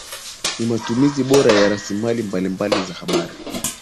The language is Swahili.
Ni matumizi bora ya rasilimali mbalimbali za bahari